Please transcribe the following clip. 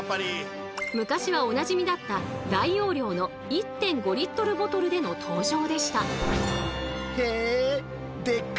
昔はおなじみだった大容量の１．５ボトルでの登場でした。